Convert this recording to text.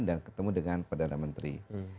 dan ketemu dengan perdana menteri